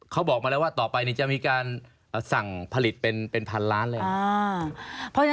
เขาบอกมาแล้วว่าต่อไปจะมีการสั่งผลิตเป็นพันล้านเลย